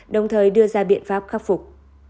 đồng thời đưa ra biện pháp khắc phục